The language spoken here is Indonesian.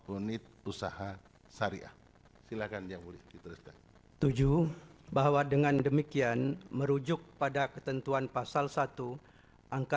unit usaha syariah silakan yang boleh diteruskan tujuh bahwa dengan demikian merujuk pada ketentuan pasal satu angka